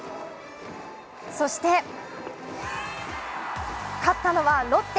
そして勝ったのはロッテ。